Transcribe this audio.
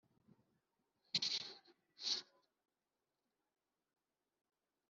kandi imfatiro z’igihugu zizanyeganyega